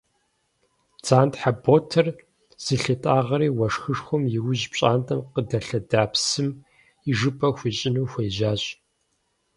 Бдзантхьэ ботэр зылъитӏагъэри уэшхышхуэм иужь пщӏантӏэм къыдэлъэда псым ижыпӏэ хуищӏыну хуежьащ.